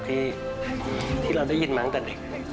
ที่เราได้ยินมาตั้งแต่เด็ก